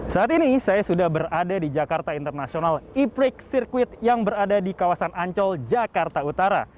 saat ini saya sudah berada di jakarta international e prix circuit yang berada di kawasan ancol jakarta utara